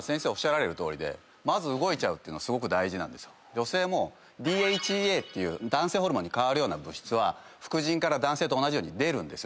女性もＤＨＥＡっていう男性ホルモンに代わるような物質は副腎から男性と同じように出る。